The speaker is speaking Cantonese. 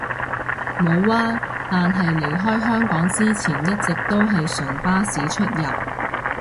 無呀，但係離開香港之前一直都係純巴士出入